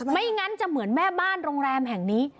ไม่งั้นจะเหมือนแม่บ้านโรงแรมแห่งนี้